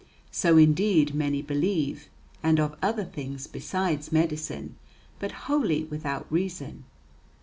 (So indeed many believe, and of other things besides medicine, but wholly without reason).